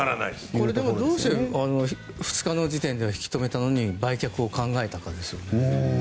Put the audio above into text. これ、でもどうして２日の時点では引き留めたのに売却を考えたかですよね。